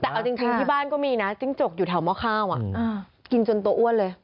แต่เอาจริงที่บ้านก็มีนะจิ้งจกอยู่แถวหม้อข้าวกินจนตัวอ้วนเลย